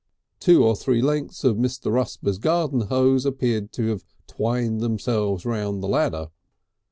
Two or three lengths of Mr. Rusper's garden hose appeared to have twined themselves round the ladder.